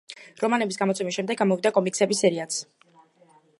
რომანების გამოცემის შემდეგ გამოვიდა კომიქსების სერიაც.